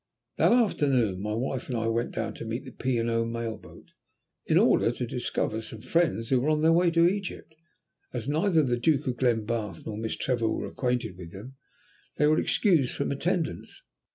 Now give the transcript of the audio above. That afternoon my wife and I went down to meet the P. and O. mail boat, in order to discover some friends who were on their way to Egypt. As neither the Duke of Glenbarth nor Miss Trevor were acquainted with them they were excused from attendance.